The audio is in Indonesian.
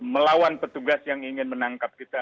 melawan petugas yang ingin menangkap kita